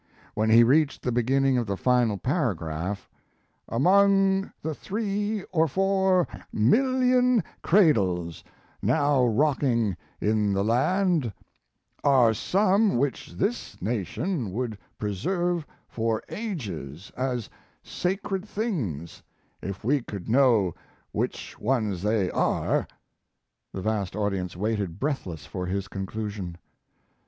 When he reached the beginning of the final paragraph, "Among the three or four million cradles now rocking in the land are some which this nation would preserve for ages as sacred things if we could know which ones they are," the vast audience waited breathless for his conclusion.